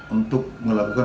untuk melakukan penipuan